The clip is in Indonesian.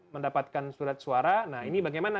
mendapatkan surat suara nah ini bagaimana